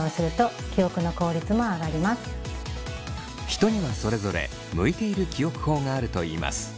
人にはそれぞれ向いている記憶法があるといいます。